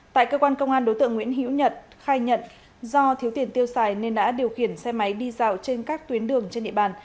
tại cơ quan công an đối tượng nguyễn hiễu nhật khai nhận do thiếu tiền tiêu xài nên đã điều khiển xe máy đi dạo trên các tuyến đường trên địa bàn